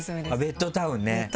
ベッドタウンね